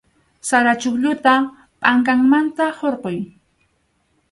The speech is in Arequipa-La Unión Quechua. Sara chuqlluta pʼanqanmanta hurquy.